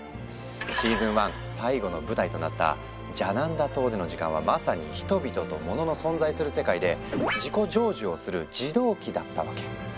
シーズン１最後の舞台となったジャナンダ島での時間はまさに人々とものの存在する世界で「自己成就」をする「児童期」だったわけ。